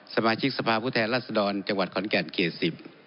สมาชิกสภาพุทธแหลศดรจังหวัดขอนแก่นเกษสิบ